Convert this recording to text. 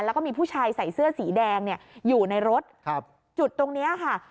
แล้วก็มีผู้ชายใส่เสื้อสีแดงเนี่ยอยู่ในรถครับจุดตรงเนี้ยค่ะ